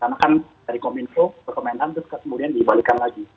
karena kan dari komiso komentan terus kemudian dibalikan lagi